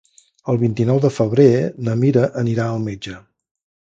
El vint-i-nou de febrer na Mira anirà al metge.